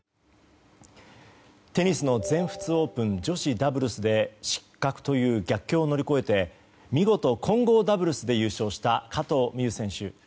テニスの全仏オープン女子ダブルスで失格という逆境を乗り越えて見事、混合ダブルスで優勝した加藤未唯選手。